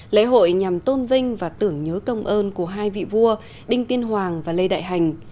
lễ hội nhằm tôn vinh và tưởng nhớ công ơn của hai vị vua đinh tiên hoàng và lê đại hành